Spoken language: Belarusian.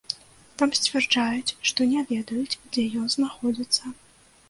Там сцвярджаюць, што не ведаюць, дзе ён знаходзіцца.